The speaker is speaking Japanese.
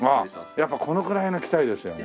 やっぱこのくらいの着たいですよね。